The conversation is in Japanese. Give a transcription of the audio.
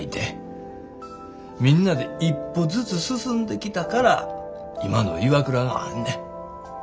みんなで一歩ずつ進んできたから今のＩＷＡＫＵＲＡがあんねん。